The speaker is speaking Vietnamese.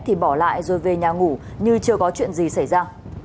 thì bỏ lại rồi về nhà ngủ nhưng chưa có chuyện gì xảy ra